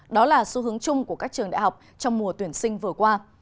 đó là xu hướng chung của các trường đại học trong mùa tuyển sinh vừa qua